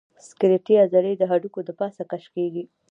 سکلیټي عضلې د هډوکو د پاسه کش کېږي.